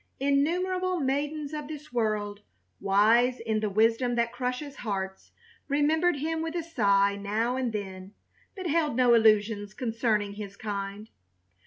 Innumerable maidens of this world, wise in the wisdom that crushes hearts, remembered him with a sigh now and then, but held no illusions concerning his kind.